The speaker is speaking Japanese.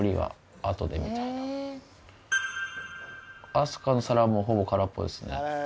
明日香の皿もうほぼ空っぽですね。